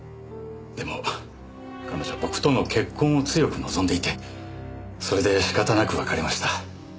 でも彼女僕との結婚を強く望んでいてそれで仕方なく別れました。